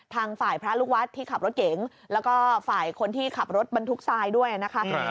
ทางฝ่ายพระลูกวัดที่ขับรถเก๋งแล้วก็ฝ่ายคนที่ขับรถบรรทุกทรายด้วยนะคะ